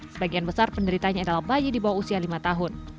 sebagian besar penderitanya adalah bayi di bawah usia lima tahun